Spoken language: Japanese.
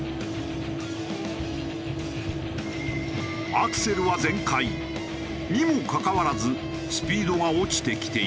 アクセルは全開にもかかわらずスピードが落ちてきている。